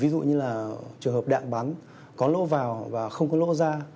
ví dụ như là trường hợp đạn bắn có lỗ vào và không có lỗ ra